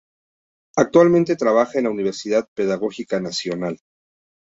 Actualmente trabaja en la Universidad Pedagógica Nacional.